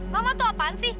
mama tuh apaan sih